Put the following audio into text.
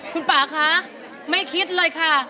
คุณป่าคะไม่คิดเลยค่ะ